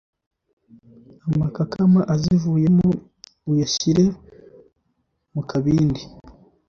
amakakama azivuyemo uyashyire mu kabindi